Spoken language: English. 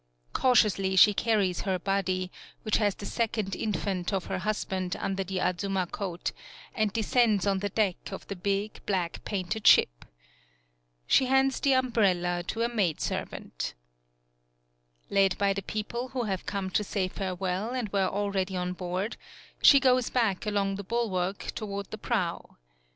Cautiously she carries her 60 THE PIER body, which has the second infant of her husband under the Azuma coat, and descends on the deck of the big, black painted ship. She hands the umbrella to a maidservant. Led by the people who have come to say farewell and were already on board, she goes back along the bulwark toward the prow.